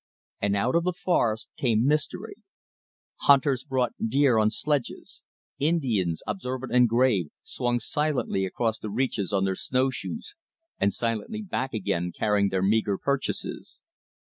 And out of the forest came mystery. Hunters brought deer on sledges. Indians, observant and grave, swung silently across the reaches on their snowshoes, and silently back again carrying their meager purchases.